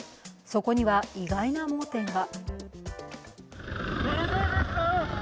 そこには、意外な盲点が。